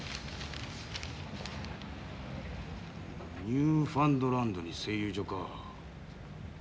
ニューファンドランドに製油所か。